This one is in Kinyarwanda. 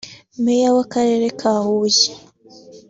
Meya w’akarere ka Huye